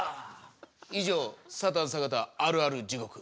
以上サタン坂田あるあるじごく。